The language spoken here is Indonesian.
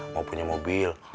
mau punya mobil